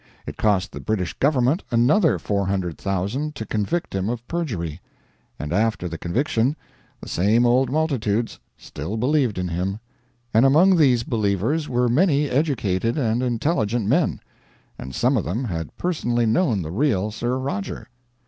It cost the British Government another $400,000 to convict him of perjury; and after the conviction the same old multitudes still believed in him; and among these believers were many educated and intelligent men; and some of them had personally known the real Sir Roger.